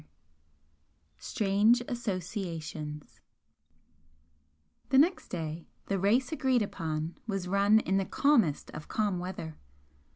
X STRANGE ASSOCIATIONS The next day the race agreed upon was run in the calmest of calm weather.